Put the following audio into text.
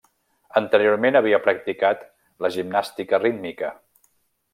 Anteriorment havia practicat la gimnàstica rítmica.